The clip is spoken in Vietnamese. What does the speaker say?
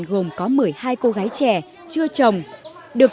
quốc gia với giáo dục